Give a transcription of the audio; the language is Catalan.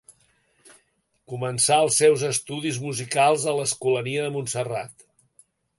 Començà els seus estudis musicals a l'Escolania de Montserrat.